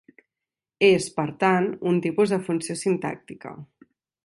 És, per tant, un tipus de funció sintàctica.